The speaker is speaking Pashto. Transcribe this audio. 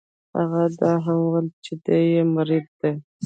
هغه دا هم وویل چې دی یې مرید دی.